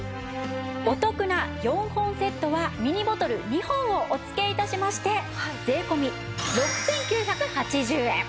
お得な４本セットはミニボトル２本をお付け致しまして税込６９８０円。